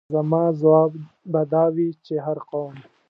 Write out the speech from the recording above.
زما ځواب به دا وي چې هر قوم.